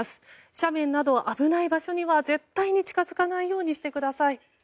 斜面など危ない場所には絶対に近づかないようにしてください。